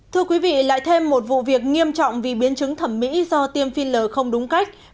thưa quý vị lại thêm một vụ việc nghiêm trọng vì biến chứng thẩm mỹ do tiêm filler không đúng cách